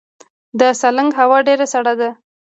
د سالنګ هوا ډیره سړه ده